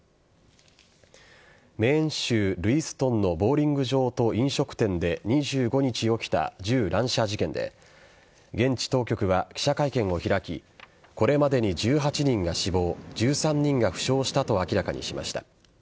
メーン州ルイストンのボウリング場と飲食店で２５日起きた銃乱射事件で現地当局は記者会見を開きこれまでに１８人が死亡１３人が負傷したと明らかにしました。